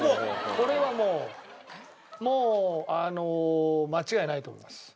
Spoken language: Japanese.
これはもうもうあの間違いないと思います。